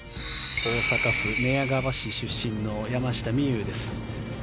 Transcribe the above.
大阪府寝屋川市出身の山下美夢有です。